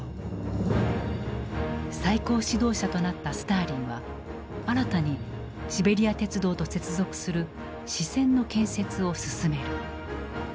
最高指導者となったスターリンは新たにシベリア鉄道と接続する支線の建設を進める。